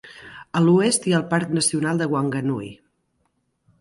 A l'oest hi ha el parc nacional de Whanganui.